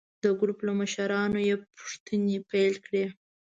د ګروپ له مشرانو یې پوښتنې پیل کړې.